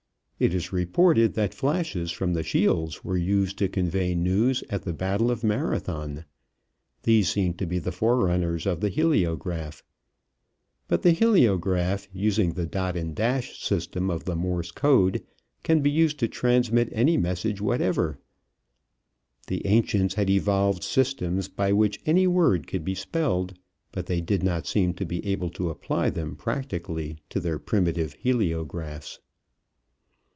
It is reported that flashes from the shields were used to convey news at the battle of Marathon. These seem to be the forerunners of the heliograph. But the heliograph using the dot and dash system of the Morse code can be used to transmit any message whatever. The ancients had evolved systems by which any word could be spelled, but they did not seem to be able to apply them practically to their primitive heliographs.